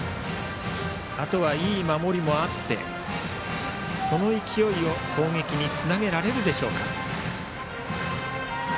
あとはいい守りもあってその勢いを攻撃につなげられるか。